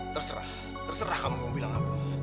terserah terserah kamu mau bilang apa